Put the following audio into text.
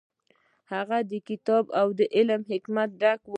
هغه کتاب د علم او حکمت ډک و.